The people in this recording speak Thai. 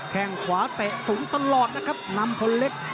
แค่งขวาเตะสูงตลอดนะครับนำคนเล็ก